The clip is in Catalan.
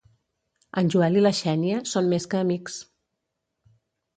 En Joel i la Xènia són més que amics.